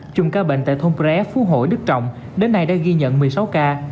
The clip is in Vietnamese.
chùng ca bệnh tại thôn pré phú hội đức trọng đến nay đã ghi nhận một mươi sáu ca